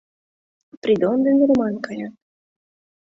Придон ден Роман каят.